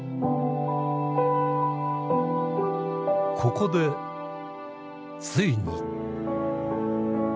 ここでついに。